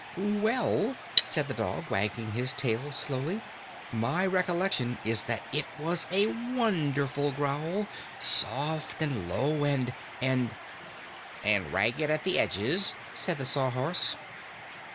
"Well," said the dog, wagging his tail slowly, "my recollection is that it was a wonderful growl, soft and low and and " "And ragged at the edges," said the Sawhorse.